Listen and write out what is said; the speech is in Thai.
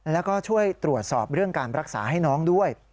แล้วก็ช่วยตรวจสอบเรื่องการรักษาให้น้องด้วย